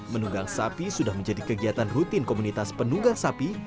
menunggang sapi sudah menjadi kegiatan rutin komunitas penunggang sapi